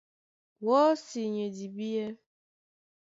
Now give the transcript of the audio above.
Wɔ́si ni e dibíɛ́.